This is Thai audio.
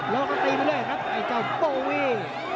ล็อคก็ตีไปเลยครับไอเจ้าโบวี่